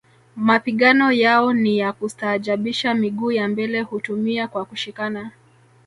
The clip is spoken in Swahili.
Mapigano yao ni ya kustaajabisha miguu ya mbele hutumia kwa kushikana